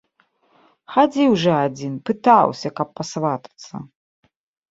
Хадзіў жа адзін, пытаўся, каб пасватацца.